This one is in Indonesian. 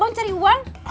belom cari uang